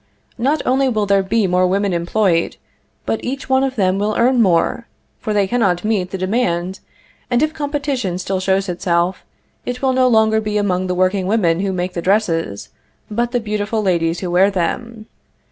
Not only will there be more women employed, but each one of them will earn more, for they cannot meet the demand, and if competition still shows itself, it will no longer be among the workingwomen who make the dresses, but the beautiful ladies who wear them.